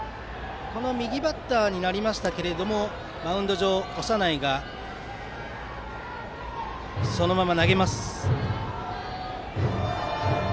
右バッターになりましたがマウンド上長内がそのまま投げます。